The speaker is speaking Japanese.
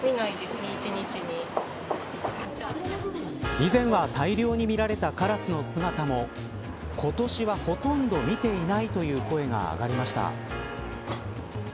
以前は大量に見られたカラスの姿も今年はほとんど見ていないという声が上がりました。